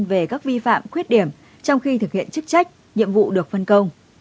về các vi phạm khuyết điểm trong khi thực hiện chức trách nhiệm vụ được phân công